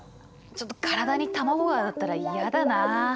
ちょっと体に卵が当たったら嫌だなあ。